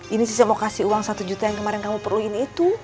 ini sih saya mau kasih uang satu juta yang kemarin kamu perluin itu